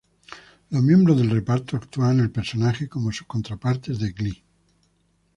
Los miembros del reparto actúan en el personaje como sus contrapartes de "Glee".